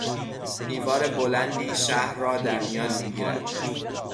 دیوار بلندی شهر را درمیان میگیرد.